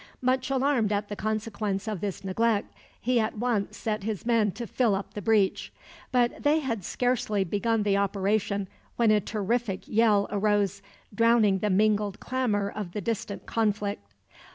Much alarmed at the consequence of this neglect, he at once set his men to fill up the breach; but they had scarcely begun the operation when a terrific yell arose, drowning the mingled clamor of the distant conflict.